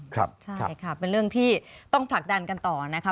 ใช่ค่ะเป็นเรื่องที่ต้องผลักดันกันต่อนะคะ